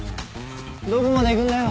どこまで行くんだよ。